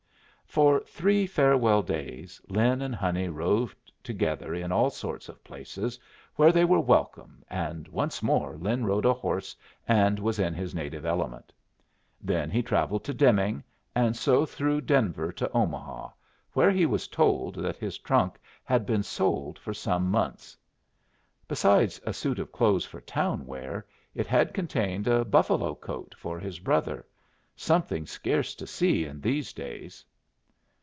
For three farewell days Lin and Honey roved together in all sorts of places, where they were welcome, and once more Lin rode a horse and was in his native element. Then he travelled to Deming, and so through Denver to Omaha, where he was told that his trunk had been sold for some months. Besides a suit of clothes for town wear, it had contained a buffalo coat for his brother something scarce to see in these days.